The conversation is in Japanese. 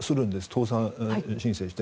倒産申請して。